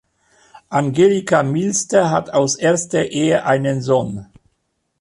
Angelika Milster hat aus erster Ehe einen Sohn.